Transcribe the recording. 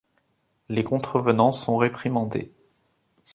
Les contrevenants sont réprimandés.